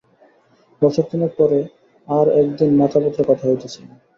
বছর-তিনেক পরে আর-এক দিন মাতাপুত্রে কথা হইতেছিল।